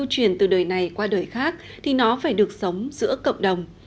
truyền từ đời này qua đời khác thì nó phải được sống giữa cộng đồng